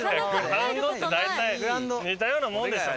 グラウンドって大体似たようなもんでしょう。